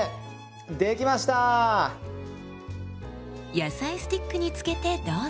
野菜スティックにつけてどうぞ。